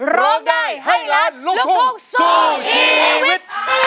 ร้องได้ให้ล้านลูกทุ่งสู้ชีวิต